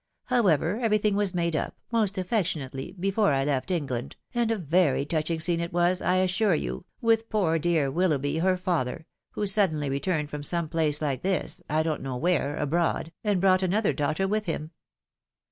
However, everything was made up, most affectionately, before I left England, and a very touching scene it was, I assure you, with poor dear Willoughby, her father, who suddenly returned from some place hke this, I don't know where, abroad, and brought another daughter with him.